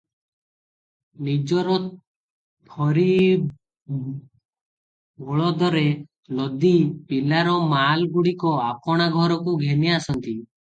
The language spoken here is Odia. ନିଜର ଥୋରି ବଳଦରେ ଲଦି ପିଲାର ମାଲଗୁଡିକ ଆପଣା ଘରକୁ ଘେନି ଆସନ୍ତି ।